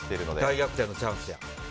大逆転のチャンスや。